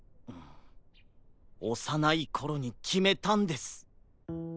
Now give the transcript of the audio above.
おさないころにきめたんです。